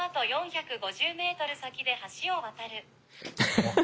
ハハハハ。